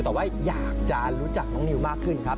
แต่ว่าอยากจะรู้จักน้องนิวมากขึ้นครับ